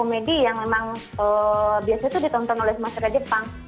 komedi yang memang biasanya itu ditonton oleh masyarakat jepang